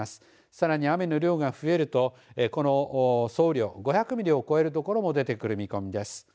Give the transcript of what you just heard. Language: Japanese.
さらに、雨の量が増えるとこの総雨量５００ミリを超える所も出てくる見込みです。